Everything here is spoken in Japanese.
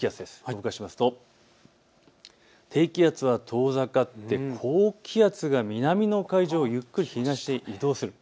動かしますと低気圧が遠ざかって高気圧が南の海上をゆっくり東へ移動する。